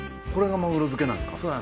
これがまぐろづけなんですか？